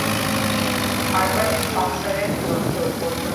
Herbert স্পেন্সারের গ্রন্থে পর্যন্ত ঐরূপ আছে।